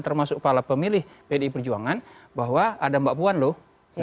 termasuk para pemilih pdi perjuangan bahwa ada mbak puan loh